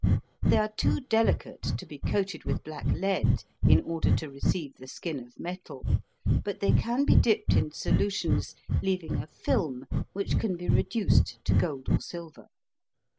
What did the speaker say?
They are too delicate to be coated with black lead in order to receive the skin of metal, but they can be dipped in solutions, leaving a film which can be reduced to gold or silver.